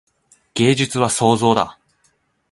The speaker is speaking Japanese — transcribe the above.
芸術は創造だ。